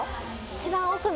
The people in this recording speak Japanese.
一番奥の。